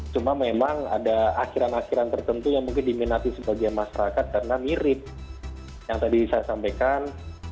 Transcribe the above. cuma memang ada akhiran akhiran tertentu yang mungkin diminati sebagai masyarakat karena mirip yang tadi saya sampaikan